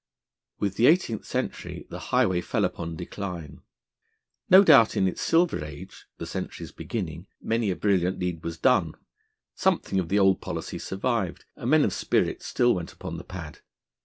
With the eighteenth century the highway fell upon decline. No doubt in its silver age, the century's beginning, many a brilliant deed was done. Something of the old policy survived, and men of spirit still went upon the pad.